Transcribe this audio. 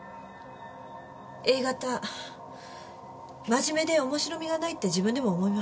真面目で面白みがないって自分でも思います。